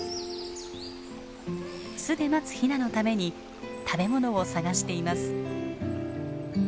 巣で待つヒナのために食べ物を探しています。